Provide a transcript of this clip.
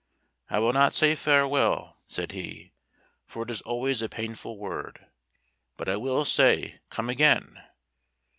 "I will not say farewell," said he, "for it is always a painful word, but I will say, come again.